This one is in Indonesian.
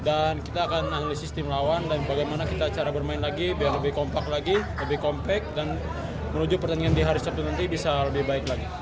dan kita akan analisis tim lawan dan bagaimana cara kita bermain lagi biar lebih kompak lagi lebih compact dan menuju pertandingan di hari sabtu nanti bisa lebih baik lagi